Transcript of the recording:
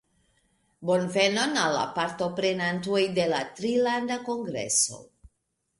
Bonvenon al la partoprenantoj de la Trilanda Kongreso